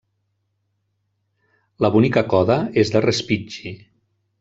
La bonica coda és de Respighi.